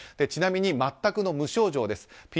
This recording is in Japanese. ちなみに全くの無症状です。